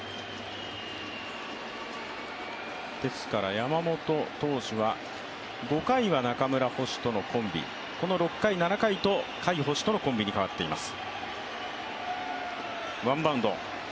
山本投手は５回は中村捕手とのコンビ、この６回、７回と甲斐捕手とのコンビに代わっています。